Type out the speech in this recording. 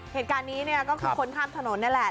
เหตุการณ์นี้เนี่ยก็คือคนข้ามถนนนี่แหละ